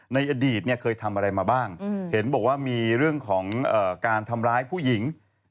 ในอดีตเคยทำอะไรมาบ้างเห็นบอกว่ามีเรื่องของการทำร้ายผู้หญิง